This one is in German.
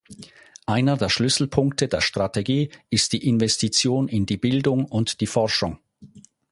Einer der Schlüsselpunkte der Strategie ist die Investition in die Bildung und die Forschung.